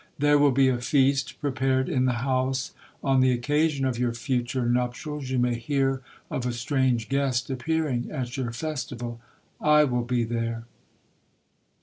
There will be a feast prepared in the house on the occasion of your future nuptials—you may hear of a strange guest appearing at your festival—I will be there!'